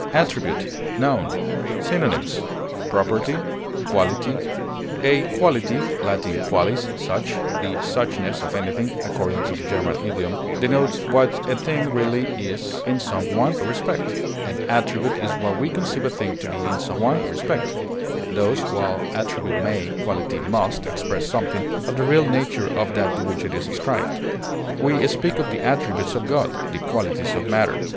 ATTRIBUTE, n. Synonyms: property, quality. A quality (L. qualis, such) the "suchness" of anything, according to the German idiom denotes what a thing really is in some one respect; an attribute is what we conceive a thing to be in some one respect; thus, while attribute may, quality must, express something of the real nature of that to which it is ascribed; we speak of the attributes of God, the qualities of matter.